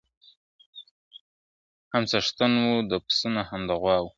هم څښتن وو د پسونو هم د غواوو !.